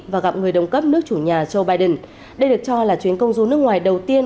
và gặp người đồng cấp nước chủ nhà joe biden đây được cho là chuyến công du nước ngoài đầu tiên